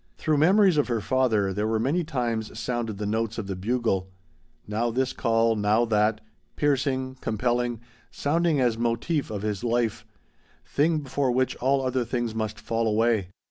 Through memories of her father there many times sounded the notes of the bugle now this call, now that, piercing, compelling, sounding as motif of his life, thing before which all other things must fall away.